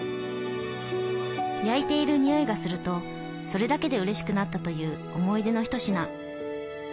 焼いている匂いがするとそれだけでうれしくなったという思い出の一品。